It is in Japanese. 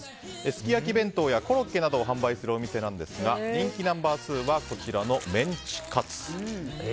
すき焼き弁当やコロッケなどを販売するお店なんですが人気ナンバー２はメンチカツ。